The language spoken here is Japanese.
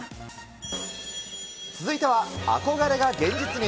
続いては憧れが現実に。